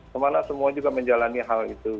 kemana semua juga menjalani hal itu